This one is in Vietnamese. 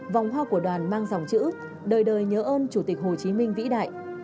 vòng hoa của đoàn mang dòng chữ đời đời nhớ ơn chủ tịch hồ chí minh vĩ đại